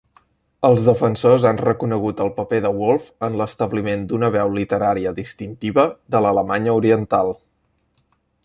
Els defensors han reconegut el paper de Wolf en l'establiment d'una veu literària distintiva de l'Alemanya Oriental.